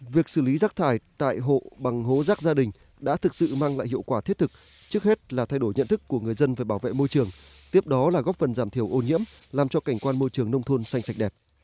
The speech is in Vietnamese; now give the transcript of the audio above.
việc xử lý rác thải tại hộ bằng hố rác gia đình đã thực sự mang lại hiệu quả thiết thực trước hết là thay đổi nhận thức của người dân về bảo vệ môi trường tiếp đó là góp phần giảm thiểu ô nhiễm làm cho cảnh quan môi trường nông thôn xanh sạch đẹp